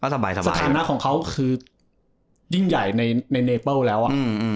สถานะของเขาคือยิ่งใหญ่ในเนเปิ้ลแล้ว